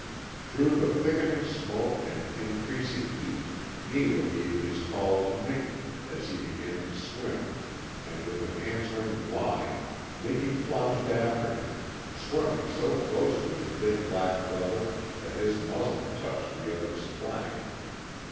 Through the thickening smoke and increasing heat Neewa gave his call to Miki as he began to swim, and with an answering whine Miki plunged after him, swimming so close to his big black brother that his muzzle touched the other's flank.